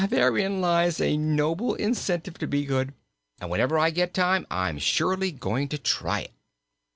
Therein lies a noble incentive to be good, and whenever I get time I'm surely going to try it."